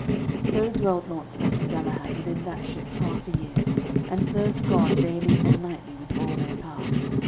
So dwelled Launcelot and Galahad within that ship half a year, and served God daily and nightly with all their power.